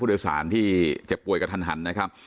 ผู้โดยสารที่เจ็บป่วยกับทันนะครับ